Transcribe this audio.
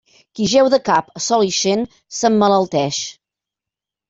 Qui jeu de cap a sol ixent, s'emmalalteix.